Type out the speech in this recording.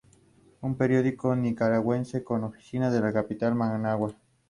Es un periódico nicaragüense, con oficinas en la capital Managua.